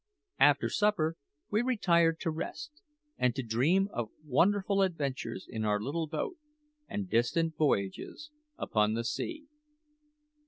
After supper we retired to rest, and to dream of wonderful adventures in our little boat and distant voyages upon the sea.